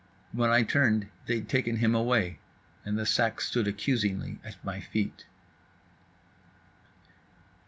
When I turned, they'd taken him away, and the sack stood accusingly at my feet.